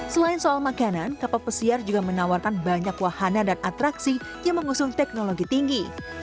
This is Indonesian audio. selain soal makanan kapal pesiar juga menawarkan banyak wahana dan atraksi yang mengusung teknologi tinggi